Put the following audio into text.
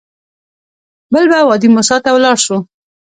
بل به وادي موسی ته لاړ شو.